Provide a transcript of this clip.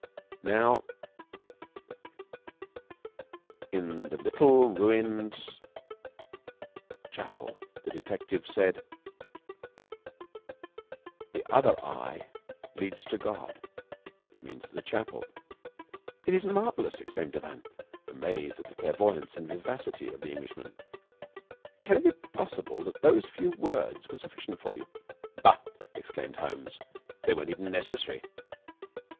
Now, they were in the little ruined chapel, and the detective said: "The other eye leads to God; that means, to the chapel." "It is marvelous!" exclaimed Devanne, amazed at the clairvoyance and vivacity of the Englishman. "Can it be possible that those few words were sufficient for you?" "Bah!" declared Holmes, "they weren't even necessary.